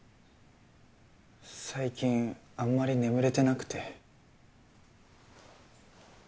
最近あんまり眠れてなくて。